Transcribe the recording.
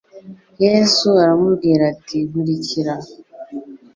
Yesu aramubwira ati: "Nkurikira".